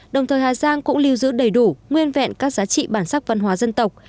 đồng thời hà giang cũng lưu giữ đầy đủ nguyên vẹn các giá trị bản sắc văn hóa dân tộc